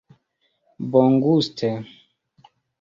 bonguste